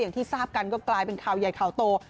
อย่างที่ทราบกันก็กลายเป็นข่าวใหญ่ข่าวโต